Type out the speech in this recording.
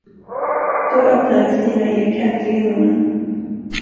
Då öppnade Stina Ek äntligen munnen.